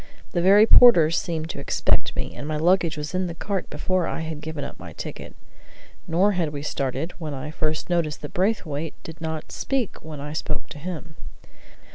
The very porters seemed to expect me, and my luggage was in the cart before I had given up my ticket. Nor had we started when I first noticed that Braithwaite did not speak when I spoke to him.